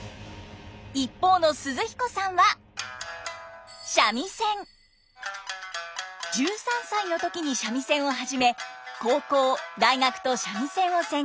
一方の寿々彦さんは１３歳の時に三味線を始め高校大学と三味線を専攻。